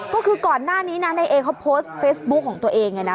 ก็คือก่อนหน้านี้นะนายเอเขาโพสต์เฟซบุ๊คของตัวเองเลยนะ